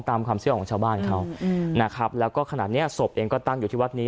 ตามความเชื่อของชาวบ้านเขานะครับแล้วก็ขนาดเนี้ยศพเองก็ตั้งอยู่ที่วัดนี้